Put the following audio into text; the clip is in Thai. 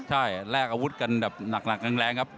ใช่แลกอาวุธกันแบบหนักแรงครับ